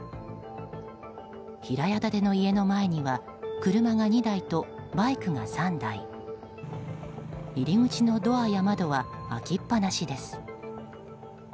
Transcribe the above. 平屋建ての家の前には車が２台とバイクが３台入り口のドアや窓は開きっぱなしです。